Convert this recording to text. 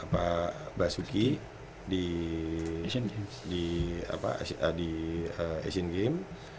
pak basuki di asian games